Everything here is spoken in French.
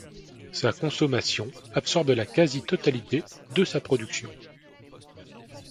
Sa consommation absorbe la quasi-totalité de sa production.